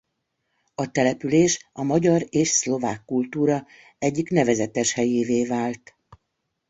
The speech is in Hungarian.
A település a magyar és szlovák kultúra egyik nevezetes helyévé vált.